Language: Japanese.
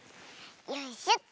よいしょと。